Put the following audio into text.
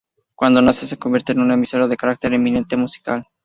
Cuando nace se convierte en una emisora de carácter eminentemente musical.